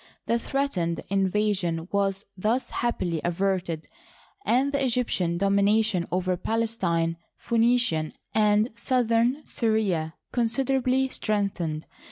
The threatened invasion was thus happily averted, and the Egyptian domi nation over Palestine, Phoenicia, and southern Syria con siderably strengthened.